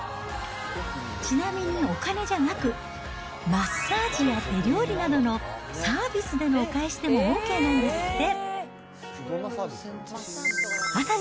ちなみにお金じゃなく、マッサージや手料理などのサービスでのお返しでもＯＫなんですって。